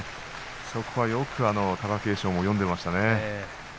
そこはよく貴景勝も読んでいましたね。